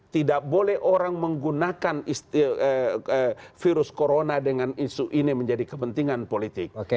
tidak boleh orang menggunakan virus corona dengan isu ini menjadi kepentingan politik